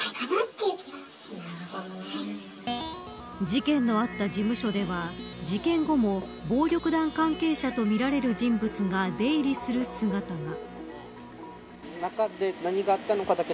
事件のあった事務所では事件後も暴力団関係者とみられる人物が出入りする姿が。